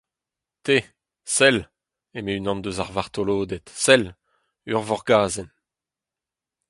Tê !… sell ! eme unan eus ar vartoloded, sell ! ur vorgazhenn!